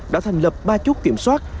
đã thành lập ba chút kiểm soát